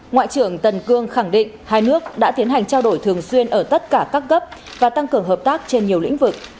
ngoại trưởng tần cương khẳng định hai nước đã tiến hành trao đổi thường xuyên ở tất cả các cấp và tăng cường hợp tác trên nhiều lĩnh vực